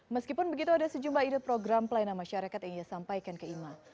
meskipun begitu ada sejumlah ide program pelayanan masyarakat yang ia sampaikan ke ima